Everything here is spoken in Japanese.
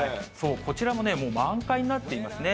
こちらも満開になっていますね。